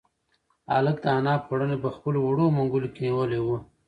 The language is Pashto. هلک د انا پړونی په خپلو وړو منگولو کې نیولی و.